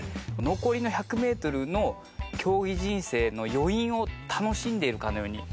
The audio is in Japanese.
残りの１００メートルの競技人生の余韻を楽しんでいるかのように見えましたね。